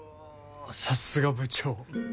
さすが部長。